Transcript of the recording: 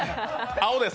青です。